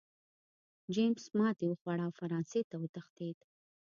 جېمز ماتې وخوړه او فرانسې ته وتښتېد.